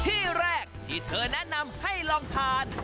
ที่แรกที่เธอแนะนำให้ลองทาน